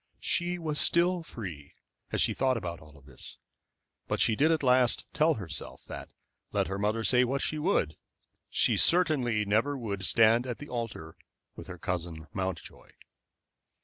She was still free, as she thought of all this, but she did at last tell herself that, let her mother say what she would, she certainly never would stand at the altar with her cousin Mountjoy.